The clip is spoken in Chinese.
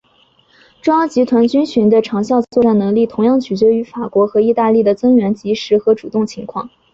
中央集团军群的长效作战能力同样取决于法国和意大利的增援的及时和主动情况。